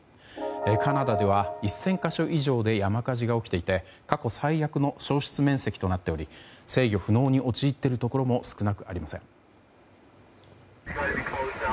カナダでは１０００か所以上で山火事が起きていて過去最悪の焼失面積となっており制御不能に陥っているところも少なくありません。